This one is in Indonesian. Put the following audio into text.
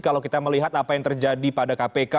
kalau kita melihat apa yang terjadi pada kpk